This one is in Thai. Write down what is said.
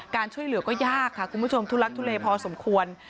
การช่วยเหลือก็ยากค่ะคุณผู้ชมทุลักทุเลพอสมควร